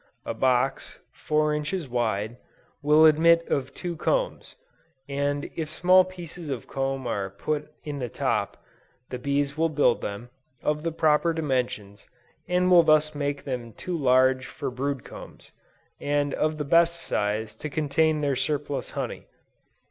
A box, four inches wide, will admit of two combs, and if small pieces of comb are put in the top, the bees will build them, of the proper dimensions, and will thus make them too large for brood combs, and of the best size to contain their surplus honey.